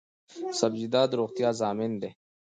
سبزیجات د روغتیا ضامن دي